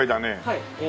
はい。